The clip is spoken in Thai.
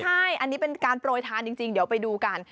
ใช่อันนี้เป็นการโปรยทานจริงเดี๋ยวไปดูกัน